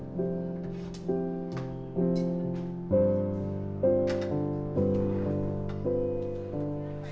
bisa disini dulu gak temen kakak